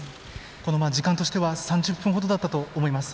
この時間としては３０分ほどだったと思います。